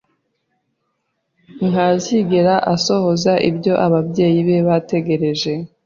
Ntazigera asohoza ibyo ababyeyi be bategereje